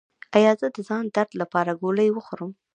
ایا زه د ځان درد لپاره ګولۍ وخورم؟